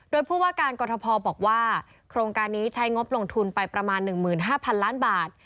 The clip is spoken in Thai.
โดยผู้ว่าการกรทพบอกว่าโครงการนี้ใช้งบลงทุนไปประมาณ๑๕๐๐๐ล้านบาท